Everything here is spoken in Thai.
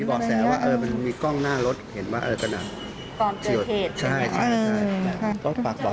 มีบอกแสว่ามีกล้องหน้ารถเห็นว่ากระดับ